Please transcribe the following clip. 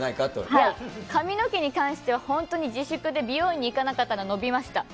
いや、髪の毛に関しては本当に自粛で美容院に行かなかったら、伸びました。